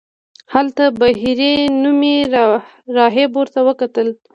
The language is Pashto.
هلته بهیري نومې راهب ورته وکتل.